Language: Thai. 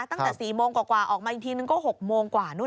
ตั้งแต่๔โมงกว่าออกมาอีกทีนึงก็๖โมงกว่านู่น